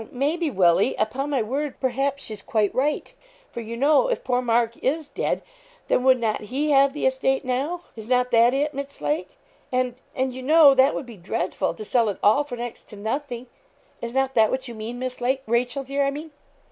'Now, maybe, Willie, upon my word, perhaps, she's quite right; for, you know, if poor Mark is dead, then would not he have the estate now; is not that it, Miss Lake, and and, you know, that would be dreadful, to sell it all for next to nothing, is not that what you mean, Miss Lake Rachel dear, I mean.'